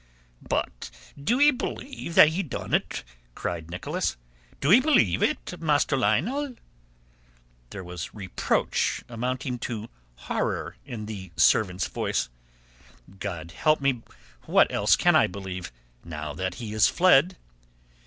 "But do ee believe that he done it?" cried Nicholas. "Do ee believe it, Master Lionel?" There was reproach amounting to horror in the servant's voice. "God help me, what else can I believe now that he is fled."